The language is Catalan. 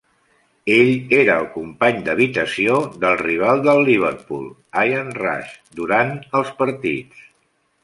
Ell era el company d'habitació del rival del Liverpool, Ian Rush, durant els partits.